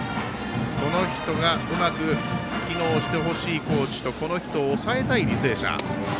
この人がうまく機能してほしい高知とこの人を抑えたい履正社。